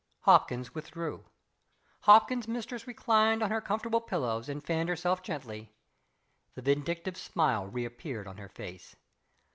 Hopkins withdrew. Hopkins's mistress reclined on her comfortable pillows and fanned herself gently. The vindictive smile reappeared on her face.